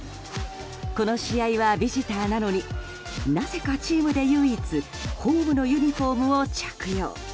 この試合はビジターなのになぜかチームで唯一ホームのユニホームを着用。